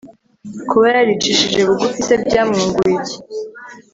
kuba yaricishije bugufi se, byamwunguye iki